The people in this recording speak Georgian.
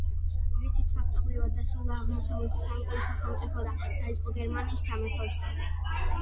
რითიც ფაქტობრივად დასრულდა აღმოსავლეთ ფრანკული სახელმწიფო და დაიწყო გერმანიის სამეფოს ისტორია.